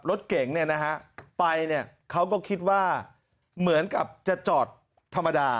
รถเก๋งเนี่ยนะฮะไปเนี่ยเขาก็คิดว่าเหมือนกับจะจอดธรรมดา